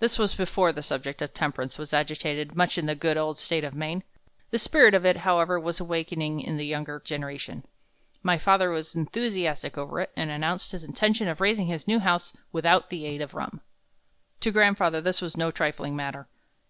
"This was before the subject of temperance was agitated much in the good old State of Maine. The spirit of it, however, was awakening in the younger generation. My father was enthusiastic over it, and announced his intention of raising his new house without the aid of rum. To grandfather this was no trifling matter.